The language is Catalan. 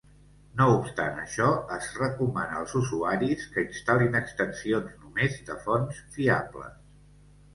No obstant això, es recomana als usuaris que instal·lin extensions només de fonts fiables.